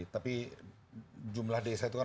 tapi jumlah desa itu kan